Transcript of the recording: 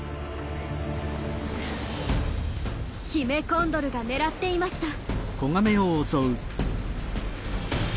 ヒメコンドルが狙っていました。